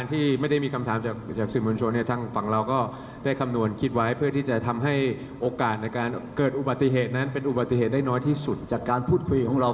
เรามั่นใจว่ามันจะไม่เกิดขึ้นครับ